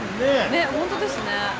ねっ本当ですね。